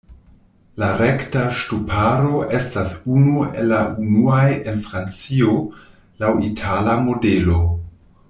La rekta ŝtuparo estas unu el la unuaj en Francio, laŭ itala modelo.